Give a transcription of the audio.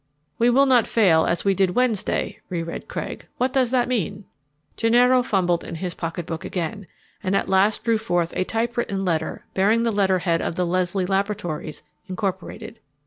"'We will not fail as we did Wednesday,'" reread Craig. "What does that mean?" Gennaro fumbled in his pocketbook again, and at last drew forth a typewritten letter bearing the letterhead of the Leslie Laboratories, Incorporated.